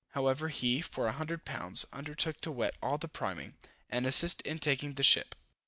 However, he, for a hundred pounds, undertook to wet all the priming, and assist in taking the ship.